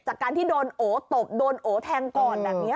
จากการที่โดนโอตบโดนโอแทงก่อนแบบนี้